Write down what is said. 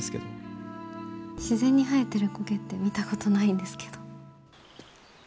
自然に生えてる苔って見たことないんですけど。